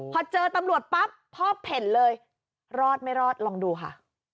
พอเจอตำรวจปั๊บพ่อเผ่นเลยรอดไม่รอดลองดูค่ะ